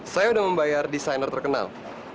saya sudah membayar designer terkenal